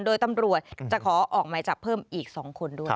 โดยตำรวจจะขอออกหมายจับเพิ่มอีก๒คนด้วย